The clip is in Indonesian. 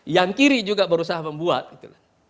yang kiri juga berusaha membuat